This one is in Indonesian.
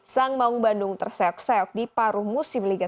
sang maung bandung terseok seok di paruh musim liga satu